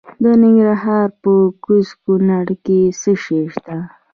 د ننګرهار په کوز کونړ کې څه شی شته؟